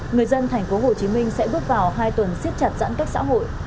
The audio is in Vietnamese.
người dân thành phố hồ chí minh sẽ bước vào hai tuần siết chặt giãn cách xã hội